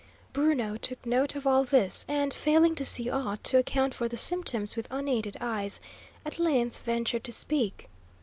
Bruno took note of all this, and, failing to see aught to account for the symptoms with unaided eyes, at length ventured to speak.